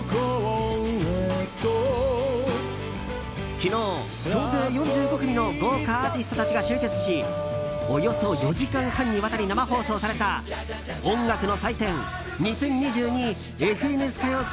昨日、総勢４５組の豪華アーティストたちが集結しおよそ４時間半にわたり生放送された音楽の祭典「２０２２ＦＮＳ歌謡祭」